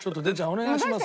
お願いしますよ。